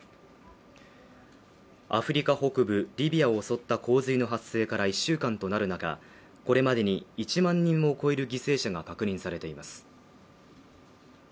アフリカ北部リビアを襲った洪水の発生から１週間となる中、これまでに１万人を超える犠牲者が確認されています。